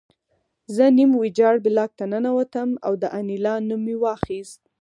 زه نیم ویجاړ بلاک ته ننوتم او د انیلا نوم مې واخیست